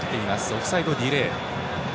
オフサイドディレイ。